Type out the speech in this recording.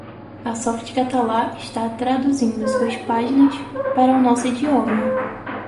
A Softcatalà está traduzindo suas páginas para o nosso idioma.